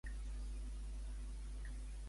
Ella mateixa va assassinar el seu nou home?